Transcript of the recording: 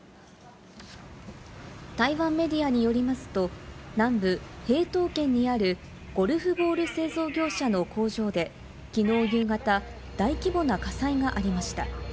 台湾メディアによりますと、南部、屏東県にあるゴルフボール製造業者の工場できのう夕方、大規模な火災がありました。